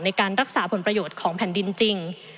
ในการรักษาผลประโยชน์ของแผ่นดินจริง